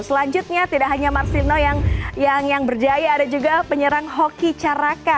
selanjutnya tidak hanya marcelino yang yang yang berjaya ada juga penyerang hoki caraka